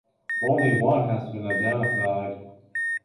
Only one has been identified.